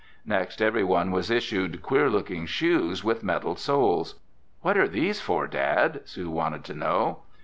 Next everyone was issued queer looking shoes with metal soles. "What're these for, Dad?" Sue wanted to know.